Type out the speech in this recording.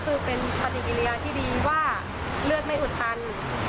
คือเป็นปฏิกิริยาที่ดีว่าเลือดไม่อุดตัน